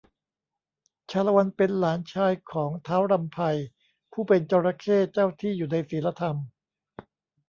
ชาละวันเป็นหลานชายของ ท้าวรำไพ ผู้เป็นจระเข้เจ้าที่อยู่ในศีลธรรม